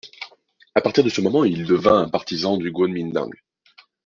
À partir de ce moment, il devint un partisan du Guomindang.